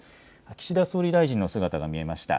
岸田総理大臣の姿が見えました。